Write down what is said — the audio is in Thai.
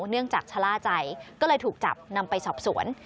เนื่องจากชะล่าใจก็เลยถูกจับนำไปสอบสวน